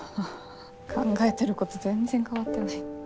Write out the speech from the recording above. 考えてること全然変わってない。